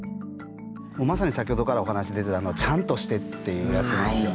まさに先ほどからお話出てたちゃんとしてっていうやつなんですよね。